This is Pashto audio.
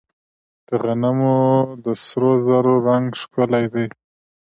د غنمو د سرو زرو رنګ ښکلی دی.